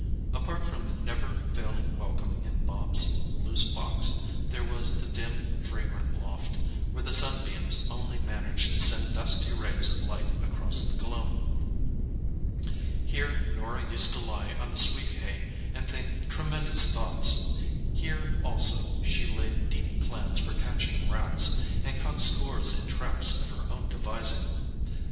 Apart from the never failing welcome in Bobs' loose box, there was the dim, fragrant loft, where the sunbeams only managed to send dusty rays of light across the gloom. Here Norah used to lie on the sweet hay and think tremendous thoughts; here also she laid deep plans for catching rats—and caught scores in traps of her own devising.